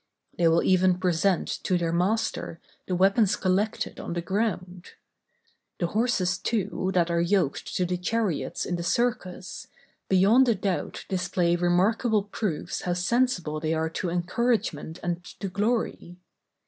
They will even present to their master the weapons collected on the ground. The horses too, that are yoked to the chariots in the Circus, beyond a doubt display remarkable proofs how sensible they are to encouragement and to glory.